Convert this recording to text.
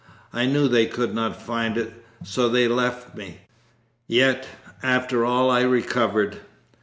I knew they could not find it. So they left me. Yet after all I recovered.